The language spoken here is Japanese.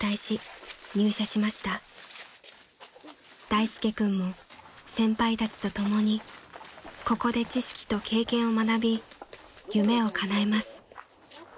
［大介君も先輩たちと共にここで知識と経験を学び夢をかなえます］